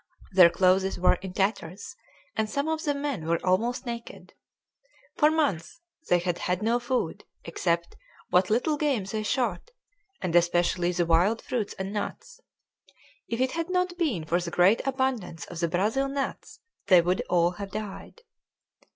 Their clothes were in tatters, and some of the men were almost naked. For months they had had no food except what little game they shot, and especially the wild fruits and nuts; if it had not been for the great abundance of the Brazil nuts they would all have died.